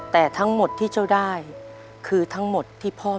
แต่ทั้งหมดที่เจ้าได้คือทั้งหมดที่พ่อ